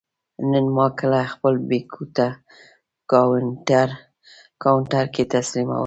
نن ما کله خپل بېکونه کاونټر کې تسلیمول.